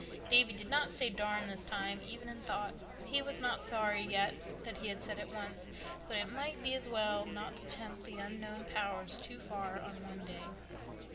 Davy did not say "darn" this time, even in thought. He was not sorry—yet—that he had said it once, but it might be as well not to tempt the Unknown Powers too far on one day.